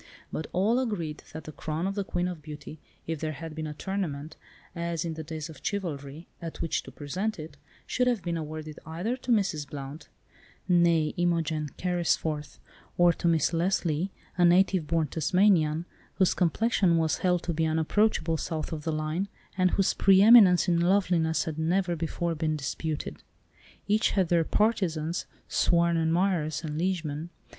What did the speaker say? But all agreed that the crown of the Queen of Beauty, if there had been a tournament, as in the days of chivalry, at which to present it, should have been awarded either to Mrs. Blount (née Imogen Carrisforth) or to Miss Leslie, a native born Tasmanian, whose complexion was held to be unapproachable south of the Line, and whose pre eminence in loveliness had never before been disputed. Each had their partisans, sworn admirers and liegemen.